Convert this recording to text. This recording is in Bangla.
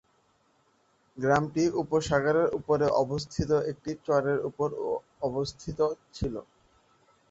গ্রামটি উপসাগরের উপরে অবস্থিত একটি চরের উপর অবস্থিত ছিল।